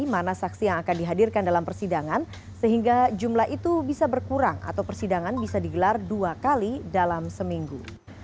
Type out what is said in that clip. mana saksi yang akan dihadirkan dalam persidangan sehingga jumlah itu bisa berkurang atau persidangan bisa digelar dua kali dalam seminggu